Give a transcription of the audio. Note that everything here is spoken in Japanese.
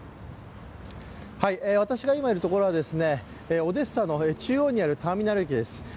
私が今いるところはオデッサの中央にあるターミナル駅です。